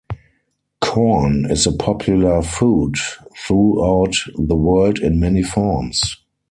Corn is a popular food throughout the world in many forms.